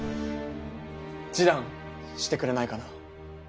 示談してくれないかな？